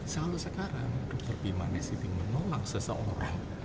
selalu sekarang dokter dimana mana menolong seseorang